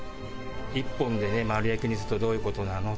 一本で丸焼きにするとどういう事になるの？